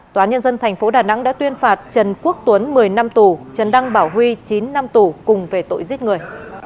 tòa nhân dân tp đà nẵng đã tuyên phạt trần quốc tuấn một mươi năm tù trần đăng bảo huy chín năm tù cùng về tội giết người